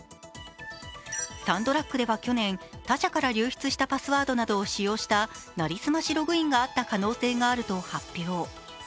サンドラッグでは去年、他社から流出したパスワードなどを使用した成り済ましログインがあった可能性があると発表。